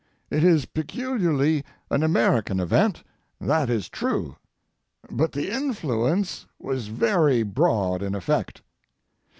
It is peculiarly an American event, that is true, but the influence was very broad in effect.